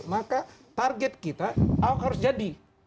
maka target kita ahok harus jadi